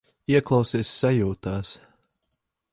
Ieklausies sajūtās.